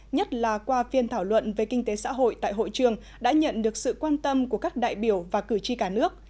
nhất là qua phiên thảo luận về kinh tế xã hội tại hội trường đã nhận được sự quan tâm của các đại biểu và cử tri cả nước